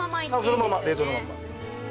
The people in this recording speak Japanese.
そのまま冷凍のまんま